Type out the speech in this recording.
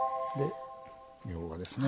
みょうがですね。